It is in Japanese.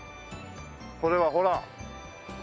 これはほら。